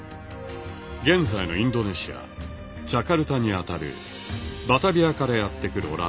現在のインドネシアジャカルタに当たるバタビアからやって来る